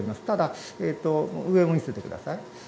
ただ、上も見せてください。